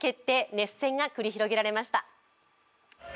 熱戦が繰り広げられました。